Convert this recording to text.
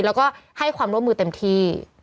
แล้วก็ให้ความร่วมมือเต็มที่